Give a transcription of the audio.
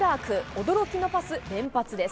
驚きのパス連発です。